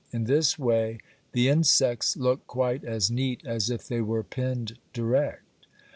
In this way the insects look quite as neat as if they were pinned direct.